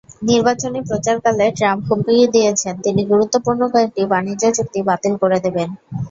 নির্বাচনী প্রচারকালে ট্রাম্প হুমকি দিয়েছেন, তিনি গুরুত্বপূর্ণ কয়েকটি বাণিজ্য চুক্তি বাতিল করে দেবেন।